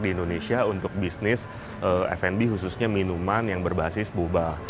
di indonesia untuk bisnis f b khususnya minuman yang berbasis bubah